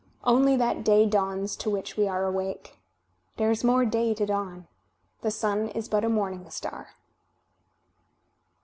Only that day dawns to which we are awake. There is more day to dawn. The sun is but a morning star."